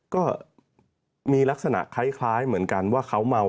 ก็มีลักษณะคล้ายเหมือนกันว่าเขาเมา